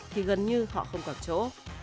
thì gần như họ không còn chỗ